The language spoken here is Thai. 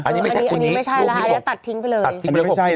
อันนี้ไม่ใช่แล้วตัดทิ้งไปเลย